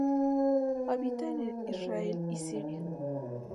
Habita en Israel y Siria.